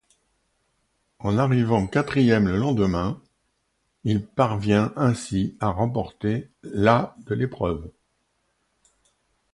En arrivant quatrième le lendemain, il parvient ainsi à remporter la de l'épreuve.